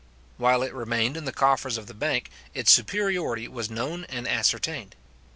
While it remained in the coffers of the bank, its superiority was known and ascertained.